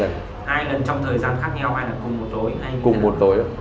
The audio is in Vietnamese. hai lần trong thời gian khác nhau hay là cùng một tối